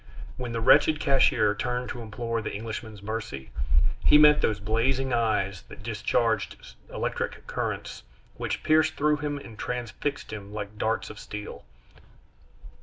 When the wretched cashier turned to implore the Englishman's mercy, he met those blazing eyes that discharged electric currents, which pierced through him and transfixed him like darts of steel.